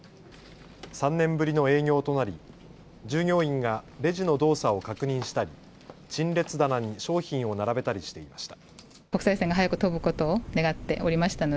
３年ぶりの営業となり従業員がレジの動作を確認したり陳列棚に商品を並べたりしていました。